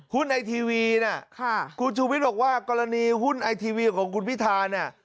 ไอทีวีนะคุณชูวิทย์บอกว่ากรณีหุ้นไอทีวีของคุณพิธาเนี่ย